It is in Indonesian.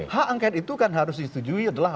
hak angket itu kan harus disetujui adalah